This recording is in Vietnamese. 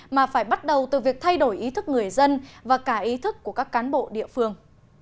mà phải bắt đầu từ việc thay đổi ý thức người dân và cả ý thức của các cán bộ địa phương